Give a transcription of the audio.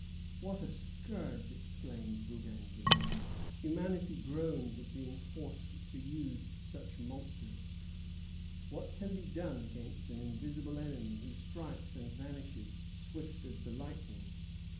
"What a scourge!" exclaims Bougainville. "Humanity groans at being forced to use such monsters. What can be done against an invisible enemy, who strikes and vanishes, swift as the lightning?